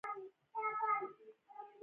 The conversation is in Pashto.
افغانستان ته بهرنۍ مرستې چالانې شوې.